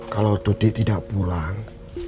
kalau tuti tidak pulang